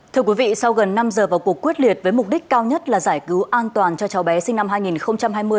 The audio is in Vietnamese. thưa quý vị sau gần năm giờ vào cuộc quyết liệt với mục đích cao nhất là giải cứu an toàn cho cháu bé sinh năm hai nghìn hai mươi